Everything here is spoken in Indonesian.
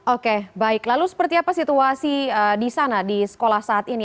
oke baik lalu seperti apa situasi di sana di sekolah saat ini